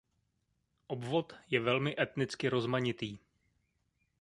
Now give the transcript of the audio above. Obvod je velmi etnicky rozmanitý.